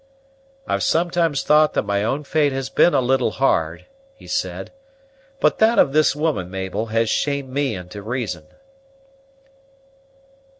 "I've sometimes thought that my own fate has been a little hard," he said; "but that of this woman, Mabel, has shamed me into reason."